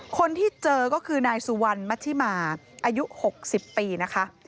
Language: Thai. คนที่เจอก็คือนายสุวรรณมัชิมาอายุ๖๐ปีนะคะ